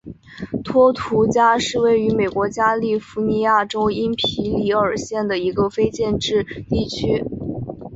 托图加是位于美国加利福尼亚州因皮里尔县的一个非建制地区。